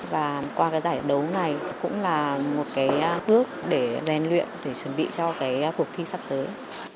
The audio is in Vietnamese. và qua giải đấu này cũng là một ước để gian luyện chuẩn bị cho cuộc thi sắp tới